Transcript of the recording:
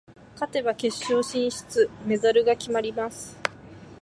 勝てば決勝進出、メダルが決まります。